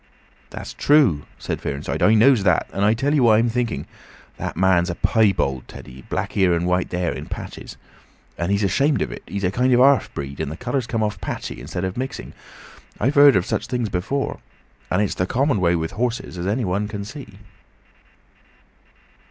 "That's true," said Fearenside. "I knows that. And I tell 'ee what I'm thinking. That marn's a piebald, Teddy. Black here and white there—in patches. And he's ashamed of it. He's a kind of half breed, and the colour's come off patchy instead of mixing. I've heard of such things before. And it's the common way with horses, as any one can see."